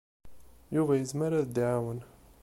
Yuba yezmer ad d-iɛawen.